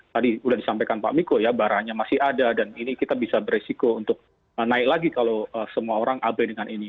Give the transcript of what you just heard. tadi sudah disampaikan pak miko ya barangnya masih ada dan ini kita bisa beresiko untuk naik lagi kalau semua orang abe dengan ini